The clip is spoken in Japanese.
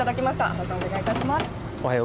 原さん、お願いいたします。